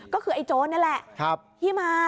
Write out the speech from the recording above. ก็คือไอ้โจรนี่แหละที่มา